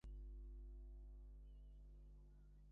আমি লক্ষ করলাম, তিন্নি সব প্রশ্নের জবাব জানে।